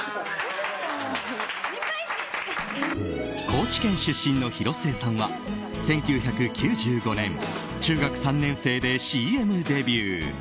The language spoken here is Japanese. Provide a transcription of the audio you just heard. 高知県出身の広末さんは１９９５年、中学３年生でＣＭデビュー。